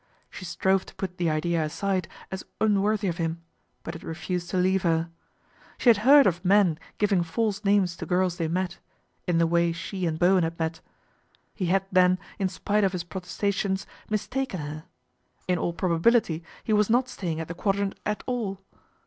She strove to put the idea aside as unworthy of him ; but it refused to leave her. She had heard of men giving false names to girls they met in the way she and Bowen had met. He had, then, in spite of his protestations, mis taken her. In all probability he was not staying at the Quadrant at all.